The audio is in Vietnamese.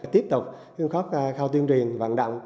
tiếp tục khóc khao tuyên truyền vận động